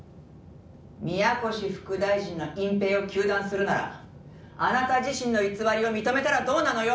「宮越副大臣の隠蔽を糾弾するならあなた自身の偽りを認めたらどうなのよ！」